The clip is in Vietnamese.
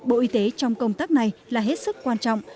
bộ y tế trong công tác này là hết sức quan trọng